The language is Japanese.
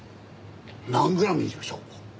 何グラムにしましょう。